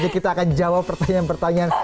kita akan jawab pertanyaan pertanyaan